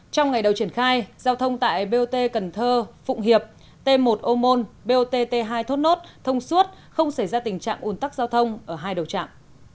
trong ngày đầu triển khai giao thông tại bot cần thơ phụng hiệp t một ô môn bot t hai thốt nốt thông suốt không xảy ra tình trạng ủn tắc giao thông ở hai đầu chạm